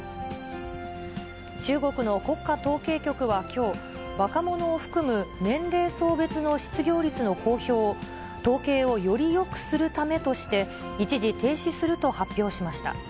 中国の国家統計局はきょう、若者を含む年齢層別の失業率の公表を、統計をよりよくするためとして、一時停止すると発表しました。